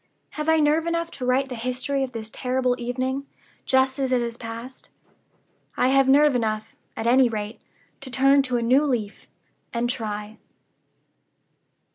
Have I nerve enough to write the history of this terrible evening, just as it has passed? I have nerve enough, at any rate, to turn to a new leaf, and try."